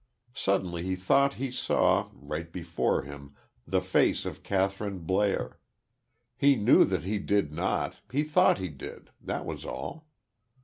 Suddenly he thought he saw, right before him, the face of Kathryn Blair. He knew that he did not; he thought he did; that was all.